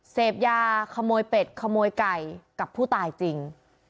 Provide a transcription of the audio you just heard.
เสพยาขโมยเป็ดขโมยไก่กับผู้ตายจริง